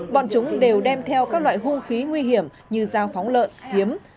bọn chúng đều đem theo các loại hung khí nguy hiểm như dao phóng lợn kiếm